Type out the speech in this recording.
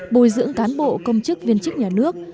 bồi dưỡng cán bộ công chức viên chức nhà nước